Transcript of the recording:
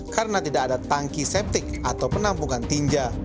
karena tidak ada tangki septik atau penampungan tinja